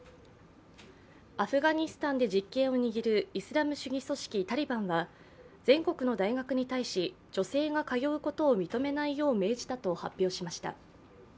アフガニスタンで実権を握るイスラム主義組織タリバンは全国の大学に対し、女性が通うことを認めないよう命じたと発表しました。